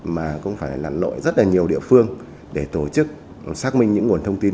mà cũng phải lặn lội rất là nhiều địa phương để tổ chức xác minh những nguồn thông tin